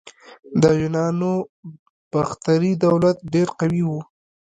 د یونانو باختري دولت ډیر قوي و